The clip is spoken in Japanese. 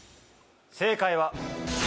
正解は。